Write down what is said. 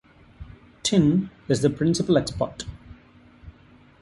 Tin is the principal export.